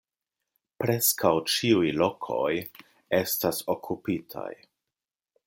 Preskaŭ ĉiuj lokoj estas okupitaj.